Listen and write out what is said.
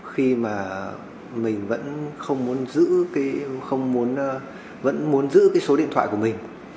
khi mà mình vẫn không muốn giữ cái số điện thoại của mình